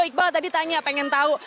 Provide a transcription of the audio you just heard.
iqbal tadi tanya pengen tahu